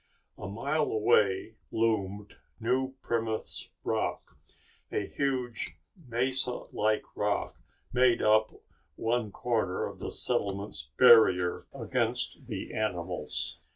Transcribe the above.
A mile away loomed New Plymouth Rock. The huge mesa like rock made up one corner of the settlement's barrier against the animals.